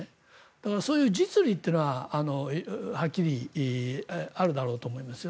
だからそういう実利というのははっきりあるだろうと思います。